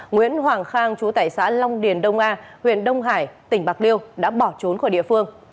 nguyễn hoàng khang chú tại xã long điền đông a huyện đông hải tỉnh bạc liêu đã bỏ trốn khỏi địa phương